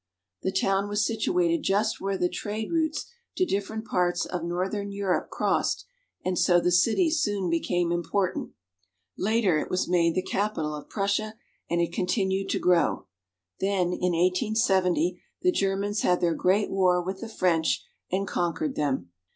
The town was situated just where the trade routes to different parts of northern Europe crossed, and so the city soon became important. Later it was made the capital of Prussia, and it continued to grow. Then, in 1870, the Germans had their great war BERLIN. 207 with the French, and conquered them.